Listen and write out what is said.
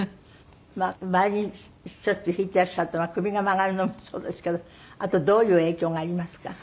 ヴァイオリンしょっちゅう弾いていらっしゃると首が曲がるのもそうですけどあとどういう影響がありますか？